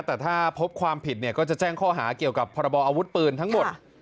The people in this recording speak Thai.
แต่ถ้าพบความผิดเนี่ยก็จะแจ้งข้อหาเกี่ยวกับพรบออาวุธปืนทั้งหมด